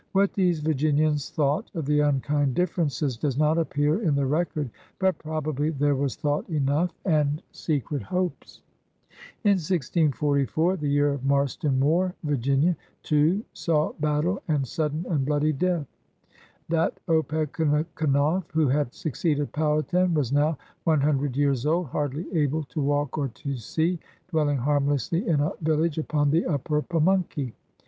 What these Vir ginians thought of the "unkind differences" does not appear in the record, but probably there was thought enough and secret hopes. In 1644, the year of Marston Moor, Virginia, too, saw battle and sudden and bloody death. That Opechancanough who had succeeded Pow hatan was now one hundred years old, hardly able to walk or to see, dwelling harmlessly in a village upon the upper Pamimkey.